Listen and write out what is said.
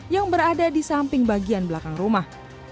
yang berada di samping bagian belakang rumah